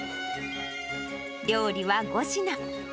料理は５品。